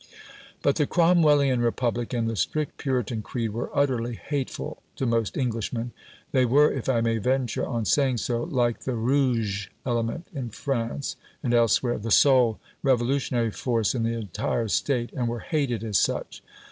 But the Cromwellian republic and the strict Puritan creed were utterly hateful to most Englishmen. They were, if I may venture on saying so, like the "Rouge" element in France and elsewhere the sole revolutionary force in the entire State, and were hated as such.